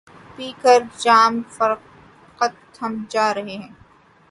پی کر جام فرقت ہم جا رہے ہیں